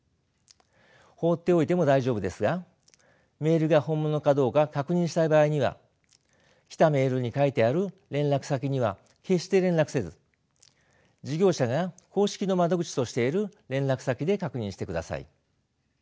放っておいても大丈夫ですがメールが本物かどうか確認したい場合には来たメールに書いてある連絡先には決して連絡せず事業者が公式の窓口としている連絡先で確認してください。